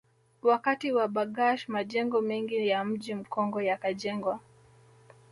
Wakati wa Bargash majengo mengi ya Mji Mkongwe yakajengwa